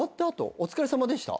お疲れさまでした？